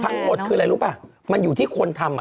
ทั้งหมดคืออะไรรู้ป่ะมันอยู่ที่คนทำอ่ะ